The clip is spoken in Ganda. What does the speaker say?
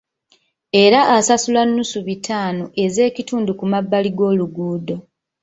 Era asasula nnusu bitaano ez'ekitundu ku mabbali g'oluguudo.